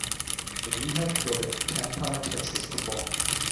Minihan wurde in Pampa, Texas, geboren.